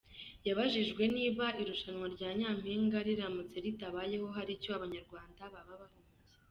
Yabajijwe niba irushanwa rya Nyampinga riramutse ritabayeho hari iccyo abanyarwanda baba bahombye.